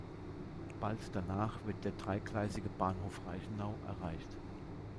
Bald danach wird der dreigleisige Bahnhof Reichenau erreicht.